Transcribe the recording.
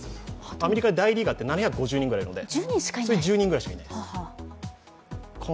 アメリカの大リーガーって７５０人ぐらいいるんで、１０人ぐらいしかいないんです。